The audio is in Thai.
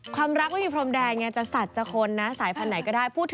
ความรักมันมีพรมแดงจะสัตว์จะคนสายพันธุ์ไหนก็ได้